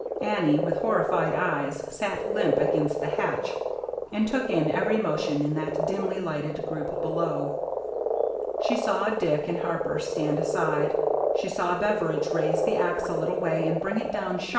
Annie, with horrified eyes, sat limp against the hatch and took in every motion in that dimly lighted group below. She saw Dick and Harper stand aside; she saw Beveridge raise the axe a little way and bring it down sharply Gazing into the square black hole.